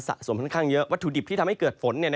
สะสมต่อเยอะวัตถุดิบที่ทำให้เกิดฝน